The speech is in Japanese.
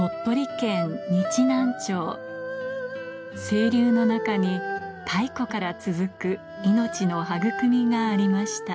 清流の中に太古から続く命の育みがありました